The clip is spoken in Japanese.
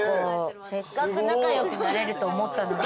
せっかく仲良くなれると思ったのに。